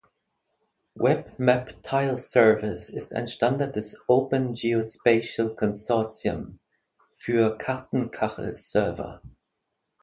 Web Map Tile Service ist ein Standard des Open Geospatial Consortium für Kartenkachel-Server.